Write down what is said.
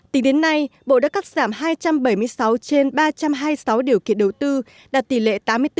tính đến nay bộ đã cắt giảm hai trăm bảy mươi sáu trên ba trăm hai mươi sáu điều kiện đầu tư đạt tỷ lệ tám mươi bốn bốn